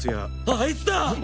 あいつだ！